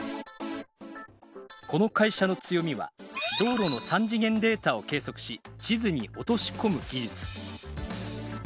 この会社の強みは道路の３次元データを計測し地図に落とし込む技術